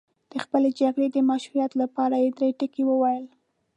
د خپلې جګړې د مشروعیت لپاره یې درې ټکي وویل.